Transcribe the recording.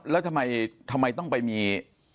แล้วทำไมต้องไปมี